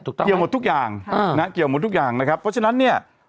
เกี่ยวหมดทุกอย่างเกี่ยวหมดทุกอย่างนะครับเพราะฉะนั้นเนี่ย